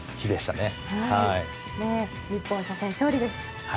日本は初戦勝利です。